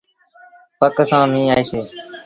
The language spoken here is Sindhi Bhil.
پڪ سآݩ ميݩهن آئيٚسي۔